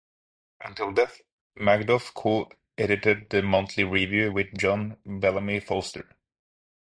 Until his death, Magdoff co-edited the "Monthly Review" with John Bellamy Foster.